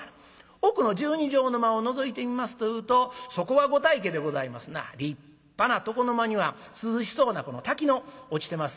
奥の１２畳の間をのぞいてみますというとそこは御大家でございますな立派な床の間には涼しそうなこの滝の落ちてます